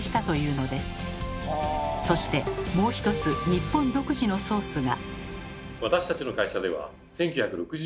そしてもう一つ日本独自のソースが。